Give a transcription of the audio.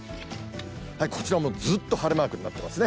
こちらもずっと晴れマークになってますね。